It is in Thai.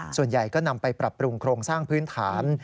ส่วนใหญ่ก็นำไปปรับปรุงโครงสร้างพื้นฐาน